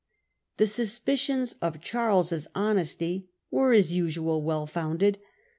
The suspicions of Charles's hcjnesty were as usual well founded.